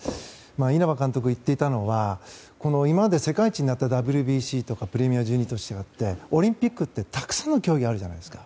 稲葉監督が言っていたのは今まで世界一になったＷＢＣやプレミア１２と違ってオリンピックってたくさんの競技があるじゃないですか。